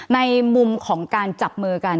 ในมุมของการจับมือกัน